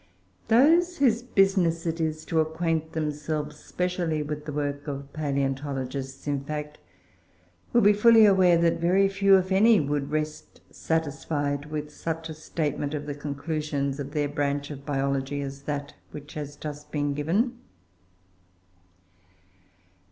Those whose business it is to acquaint themselves specially with the works of palaeontologists, in fact, will be fully aware that very few, if any, would rest satisfied with such a statement of the conclusions of their branch of biology as that which has just been given.